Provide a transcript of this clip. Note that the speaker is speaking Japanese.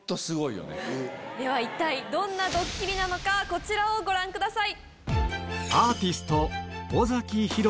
一体どんなドッキリなのかこちらをご覧ください。